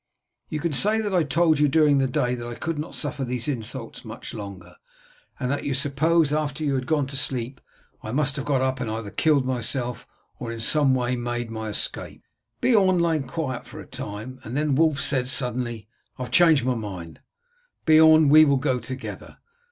You can say that I told you during the day that I could not suffer these insults much longer, and that you suppose that after you had gone to sleep I must have got up and either killed myself or in some way made my escape." Beorn lay quiet for a time and then Wulf said suddenly, "I have changed my mind, Beorn; we will go together.